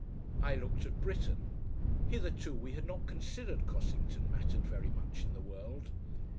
I looked at Britten. Hitherto we had not considered Cossington mattered very much in the world.